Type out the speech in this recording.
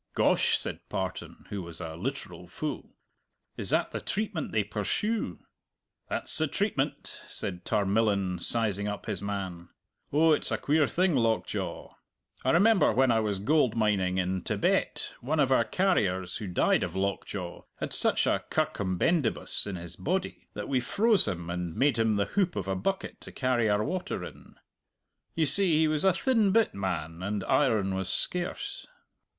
"Gosh!" said Partan, who was a literal fool, "is that the treatment they purshoo?" "That's the treatment!" said Tarmillan, sizing up his man. "Oh, it's a queer thing lockjaw! I remember when I was gold mining in Tibet, one of our carriers who died of lockjaw had such a circumbendibus in his body that we froze him and made him the hoop of a bucket to carry our water in. You see he was a thin bit man, and iron was scarce."